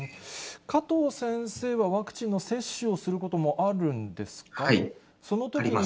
加藤先生は、ワクチンの接種をすることもあるんですか？あります。